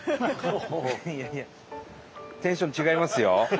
いやいやテンション違いますよ。